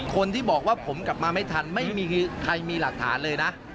คนที่บอกว่าผมกลับมาไม่ทันไม่มีใครมีหลักฐานเลยนะ